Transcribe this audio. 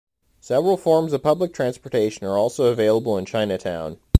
Several forms of public transportation are also available in Chinatown.